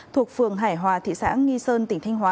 thuộc phường hải hòa thị xã nghi sơn tỉnh thanh hóa